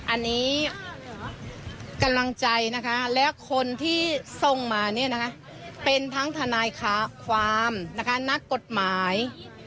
อันนี้กำลังใจนะคะและคนที่ส่งมาเนี่ยนะคะเป็นทั้งทนายความนะคะนักกฎหมาย